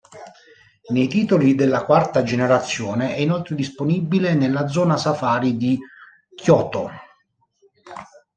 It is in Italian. Nei titoli della quarta generazione è inoltre disponibile nella Zona Safari di Johto.